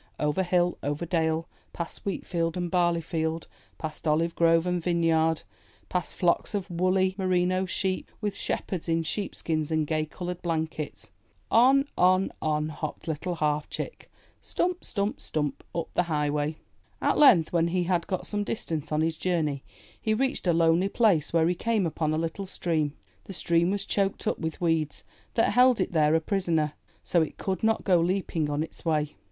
Over hill, over dale, past wheat field and barley field, past olive grove and vineyard, past flocks of woolly, merino sheep, with shepherds in sheepskins and gay colored blankets, — on, on, on, .hopped Little Half Chick — stump! stump! stump! up the highway. At length, when he had got some distance on his journey, he reached a lonely place where he came upon a little Stream. The Stream was choked up with weeds, that held it there a prisoner, so it could not go leaping on its way.